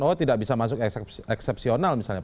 oh tidak bisa masuk eksepsional misalnya